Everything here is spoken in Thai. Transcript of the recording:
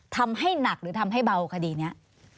ทำให้หนักหรือทำให้เบาคดีนี้